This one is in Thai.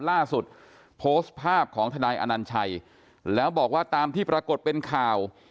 ล่าสุดโพสต์ภาพของทนายอนัญชัยแล้วบอกว่าตามที่ปรากฏเป็นข่าว